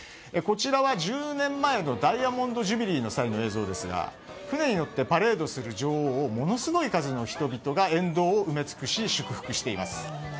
こちらは１０年前のダイヤモンドジュビリーの際の映像ですが船に乗ってパレードする女王をものすごい数の人々が沿道を埋め尽くし祝福しています。